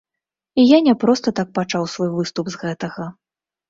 І я не проста так пачаў свой выступ з гэтага.